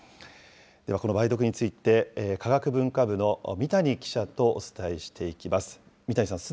では、この梅毒について、科学文化部の三谷記者とお伝えしていきます。